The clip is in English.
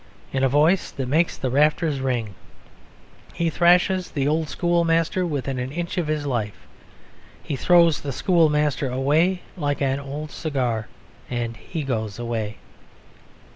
in a voice that makes the rafters ring; he thrashes the schoolmaster within an inch of his life; he throws the schoolmaster away like an old cigar, and he goes away.